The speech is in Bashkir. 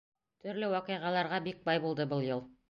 — Төрлө ваҡиғаларға бик бай булды был йыл.